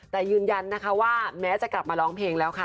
แต่ยืนยันนะคะว่าแม้จะกลับมาร้องเพลงแล้วค่ะ